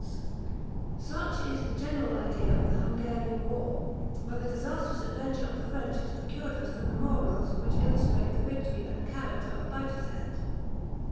] Such is the general idea of the Hungarian war; but the disastrous adventure of the French has procured us some memorials which illustrate the victory and character of Bajazet.